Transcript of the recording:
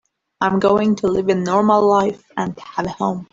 I'm going to live a normal life and have a home.